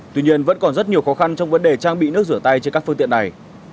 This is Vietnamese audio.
tuy nhiên vẫn còn rất nhiều khó khăn trong vấn đề trang bị nước rửa tay trên các phương tiện này